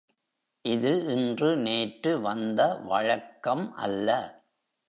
இது இன்று நேற்று வந்த வழக்கம் அல்ல.